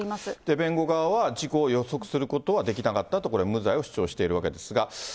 弁護側は事故を予測することはできなかったと、これ、無罪を主張しているわけですが。